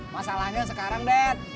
masalahnya sekarang dad